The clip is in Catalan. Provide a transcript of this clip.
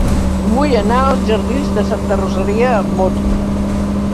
Vull anar als jardins de Santa Rosalia amb moto.